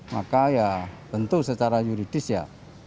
maka ya tentu secara yuridis ya